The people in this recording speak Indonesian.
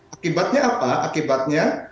akibatnya apa akibatnya